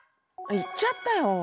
行っちゃったよ。